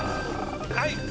はい！